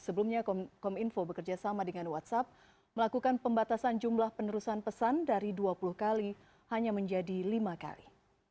sebelumnya kominfo bekerjasama dengan whatsapp melakukan pembatasan jumlah penerusan pesan dari dua puluh kali hanya menjadi lima kali